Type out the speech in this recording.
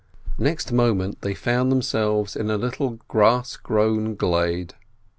Next moment they found themselves in a little grass grown glade.